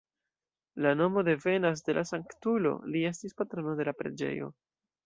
La nomo devenas de la sanktulo, li estis patrono de la preĝejo.